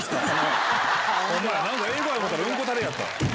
何か英語や思たらうんこたれやった。